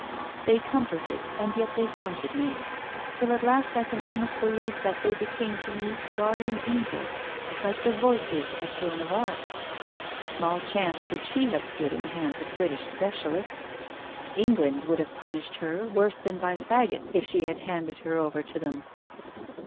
They comforted and yet they haunted me, till at last I can almost believe that they became to me guardian angels, like the 'voices' of Joan of Arc. Small chance would she have stood in the hands of British specialists. England might have punished her worse than by fagots if she had handed her over to them.